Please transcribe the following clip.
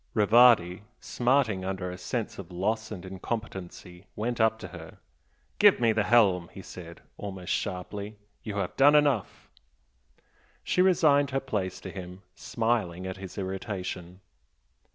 Rivardi, smarting under a sense of loss and incompetency, went up to her. "Give me the helm!" he said, almost sharply "You have done enough!" She resigned her place to him, smiling at his irritation.